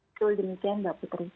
betul demikian mbak putri